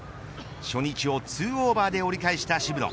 初日を２オーバーで折り返した渋野。